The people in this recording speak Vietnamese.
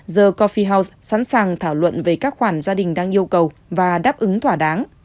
giờ confiel house sẵn sàng thảo luận về các khoản gia đình đang yêu cầu và đáp ứng thỏa đáng